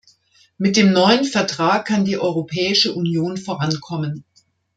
Mit dem neuen Vertrag kann die Europäische Union vorankommen.